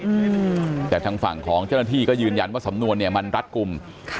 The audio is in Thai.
อืมแต่ทางฝั่งของเจ้าหน้าที่ก็ยืนยันว่าสำนวนเนี้ยมันรัดกลุ่มค่ะ